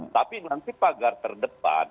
tapi nanti pagar terdepan